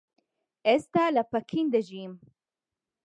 ئێستا لە پەکین دەژیم.